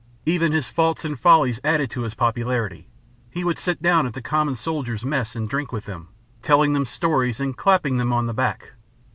Even his faults and follies added to his popularity. He would sit down at the common soldiers' mess and drink with them, telling them stories and clapping them on the back.